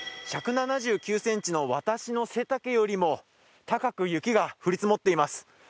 １７９ｃｍの私の背丈よりも高く雪が降り積もっています。